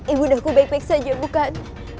ibu dahku baik baik saja bukan